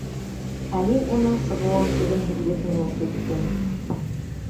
Ә мин уның сығыуын түҙемһеҙлек менән көттөм.